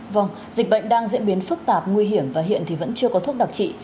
vâng dịch bệnh đang diễn biến phức tạp nguy hiểm và hiện thì vẫn chưa có thuốc đặc trị